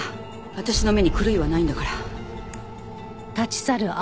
私の目に狂いはないんだから。